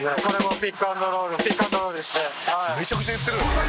「めちゃくちゃ言ってる！」